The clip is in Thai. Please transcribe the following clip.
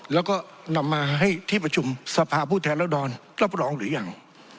แล้วก็นำมาให้ที่ประชุมสภาพผู้แทนรัศดรรับรองหรือยัง